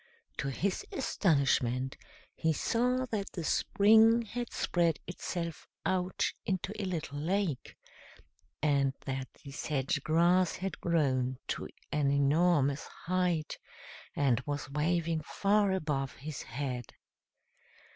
To his astonishment he saw that the spring had spread itself out into a little lake, and that the sedge grass had grown to an enormous height, and was waving far above his head.